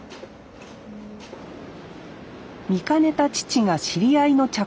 見かねた父が知り合いの茶